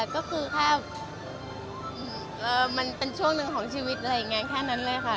ก็คือแค่มันเป็นช่วงหนึ่งของชีวิตอะไรอย่างนี้แค่นั้นเลยค่ะ